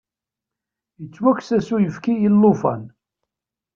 Yettwakkes-as uyefki i llufan.